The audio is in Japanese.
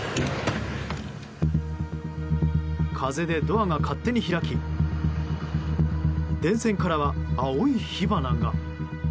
風でドアが勝手に開き電線からは青い火花が。